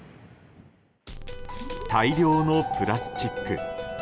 大量のプラスチック。